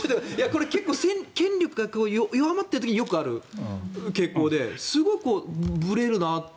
これは結構、権力が弱まっている時によくある傾向ですごくぶれるなと。